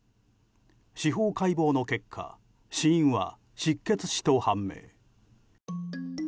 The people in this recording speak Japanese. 司法解剖の結果死因は失血死と判明。